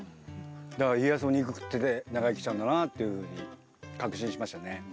だから家康も肉食ってて長生きしたんだなっていうふうに確信しましたね。